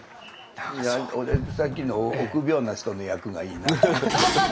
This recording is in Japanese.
いや俺さっきの臆病な人の役がいいな。